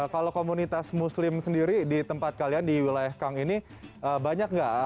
kalau komunitas muslim sendiri di tempat kalian di wilayah kang ini banyak nggak